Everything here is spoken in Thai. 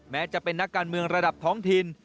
แม้จะเป็นนักการเมืองระดับท้องถิ่น